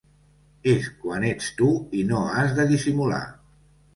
És quan ets tu i no has de dissimular.